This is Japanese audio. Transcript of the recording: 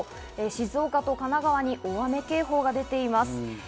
静岡と神奈川に大雨警報が出ています。